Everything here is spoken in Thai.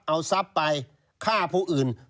เอาทรัพย์ไปฆ่าผู้อื่น